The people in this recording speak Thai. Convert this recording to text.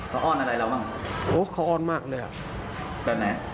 เขาอ้อนอะไรเราบ้างโอ้เขาอ้อนมากเลยอ่ะแบบไหน